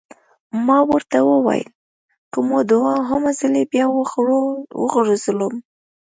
ما ورته وویل: که مو دوهم ځلي بیا وغورځولم!